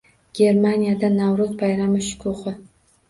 Germaniyada Navroʻz bayrami shukuhi